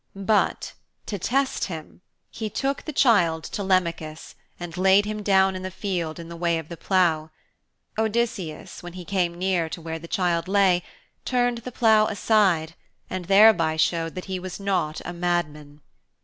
But to test him he took the child Telemachus and laid him down in the field in the way of the plough. Odysseus, when he came near to where the child lay, turned the plough aside and thereby showed that he was not a mad man.